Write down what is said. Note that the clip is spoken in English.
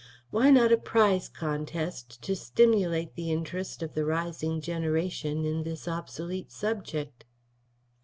Why not a prize contest to stimulate the interest of the rising generation in this obsolete subject?